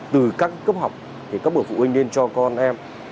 từ các cấp học thì các bậc phụ huynh nên cho con em